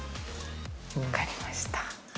分かりました。